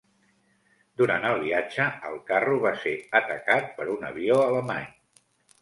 Durant el viatge, el carro va ser atacat per un avió alemany.